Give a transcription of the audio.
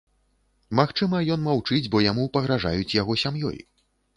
Магчыма, ён маўчыць, бо яму пагражаюць яго сям'ёй.